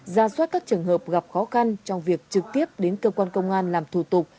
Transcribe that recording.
ra soát các trường hợp gặp khó khăn trong việc trực tiếp đến cơ quan công an làm thủ tục